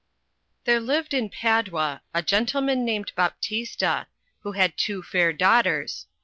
THERE lived in Padua a gentleman named Baptista, who had two fair daughters.